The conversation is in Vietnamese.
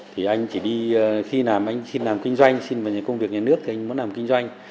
thì anh chỉ đi khi nào anh xin làm kinh doanh xin vào công việc nhà nước thì anh muốn làm kinh doanh